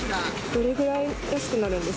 どれぐらい安くなるんです？